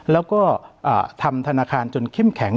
แล้วก็ทำธนาคารจนเข้มแข็ง